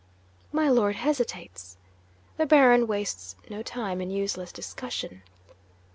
'My Lord hesitates. The Baron wastes no time in useless discussion.